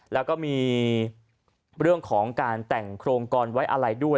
แล้วก็มีเรื่องของการแต่งโครงการไว้อะไรด้วย